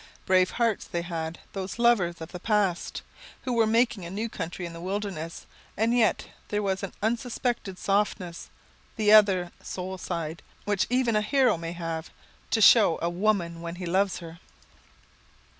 Brave hearts they had, those lovers of the past, who were making a new country in the wilderness, and yet there was an unsuspected softness the other "soul side" which even a hero may have, "to show a woman when he loves her."